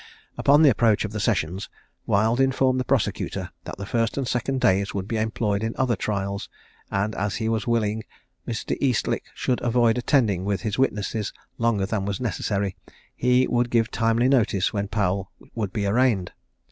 Upon the approach of the sessions Wild informed the prosecutor that the first and second days would be employed in other trials; and as he was willing Mr. Eastlick should avoid attending with his witnesses longer than was necessary, he would give timely notice when Powel would be arraigned.